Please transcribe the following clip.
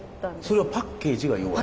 それはパッケージが弱い？